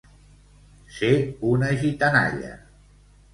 Ser una gitanalla.